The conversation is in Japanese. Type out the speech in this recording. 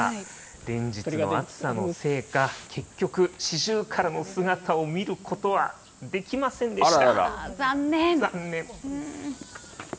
連日の暑さのせいか、結局、シジュウカラの姿を見ることはできませんでした。